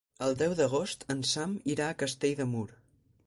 El deu d'agost en Sam irà a Castell de Mur.